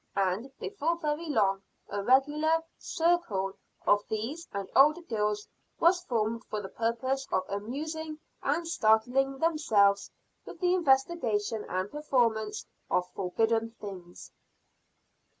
And, before very long, a regular "circle" of these and older girls was formed for the purpose of amusing and startling themselves with the investigation and performance of forbidden things.